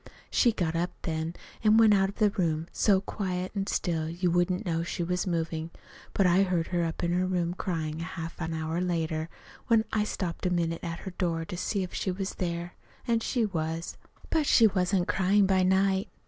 "She got up then an' went out of the room so quiet an' still you wouldn't know she was movin'. But I heard her up in her room cryin' half an hour later, when I stopped a minute at her door to see if she was there. An' she was. "But she wasn't cryin' by night.